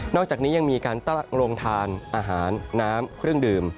อกจากนี้ยังมีการตั้งโรงทานอาหารน้ำเครื่องดื่ม